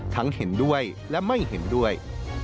เห็นด้วยและไม่เห็นด้วย